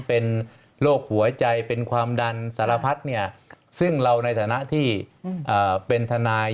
เป็นโรคหัวใจเป็นความดันสารพัดเนี่ยซึ่งเราในฐานะที่เป็นทนาย